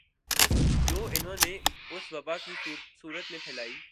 جو انھوں نے اس وبا کی صورت میں پھیلائی